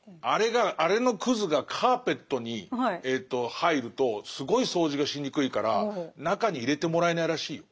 あれのくずがカーペットに入るとすごい掃除がしにくいから中に入れてもらえないらしいよ。